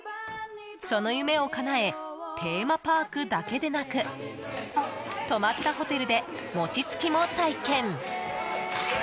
その夢をかなえテーマパークだけでなく泊まったホテルで餅つきも体験。